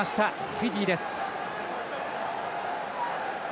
フィジーです。